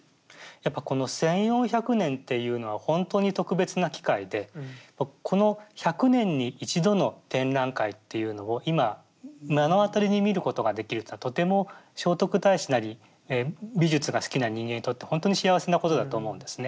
やっぱこの１，４００年っていうのはほんとに特別な機会でこの１００年に一度の展覧会っていうのを今目の当たりに見ることができるというのはとても聖徳太子なり美術が好きな人間にとってほんとに幸せなことだと思うんですね。